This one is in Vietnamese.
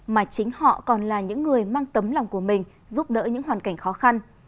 mà chính họ còn là những người mang tấm lòng của mình giúp đỡ những hoàn cảnh khó khăn